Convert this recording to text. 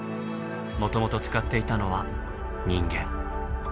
もともと使っていたのは人間。